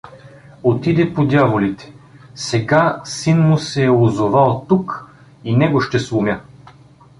Отиде по дяволите… Сега син му се е озовал тук, и него ще сломя.